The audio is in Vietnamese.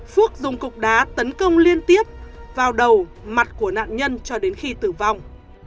phước dùng cục đá tấn công liên tiếp vào đầu mặt của nạn nhân cho đến khi tử vong